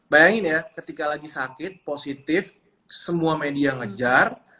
bayangin ya ketika lagi sakit positif semua media ngejar